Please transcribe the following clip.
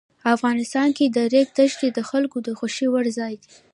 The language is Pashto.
افغانستان کې د ریګ دښتې د خلکو د خوښې وړ ځای دی.